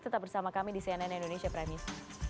tetap bersama kami di cnn indonesia prime news